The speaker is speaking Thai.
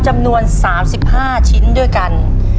จำนวน๓๕ชิ้นด้วยกัน